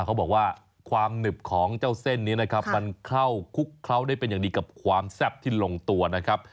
เขาบอกว่าความหนึบของเจ้าเส้นนี้นะครับมันเข้าคุกเคล้าได้เป็นอย่างดีกับความแซ่บที่ลงตัวนะครับ